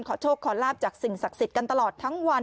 โชคขอลาบจากสิ่งศักดิ์สิทธิ์กันตลอดทั้งวัน